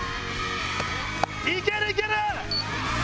いけるいける！